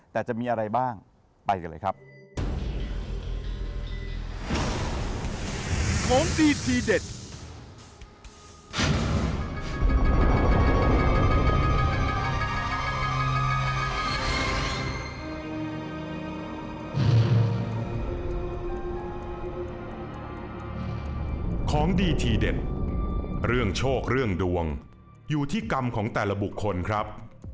แต่จะมีอะไรบ้างไปกันเลยครับ